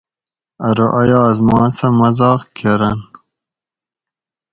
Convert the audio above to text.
ارو ایاز ما سہ مزاق کرۤن